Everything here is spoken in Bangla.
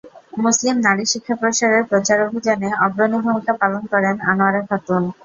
মুসলিম নারী শিক্ষা প্রসারের প্রচারাভিযানে অগ্রণী ভূমিকা পালন করেন আনোয়ারা খাতুন।